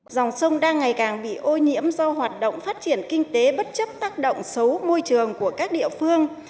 dòng sông đang ngày càng bị ô nhiễm do hoạt động phát triển kinh tế bất chấp tác động xấu môi trường của các địa phương